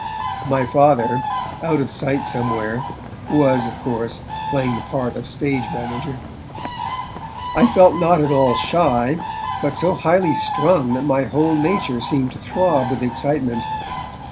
My Father, out of sight somewhere, was, of course, playing the part of stage manager. I felt not at all shy, but so highly strung that my whole nature seemed to throb with excitement.